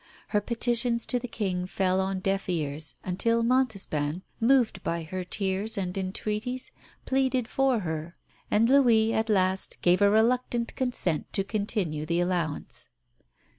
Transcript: Her petitions to the King fell on deaf ears, until Montespan, moved by her tears and entreaties, pleaded for her; and Louis at last gave a reluctant consent to continue the allowance.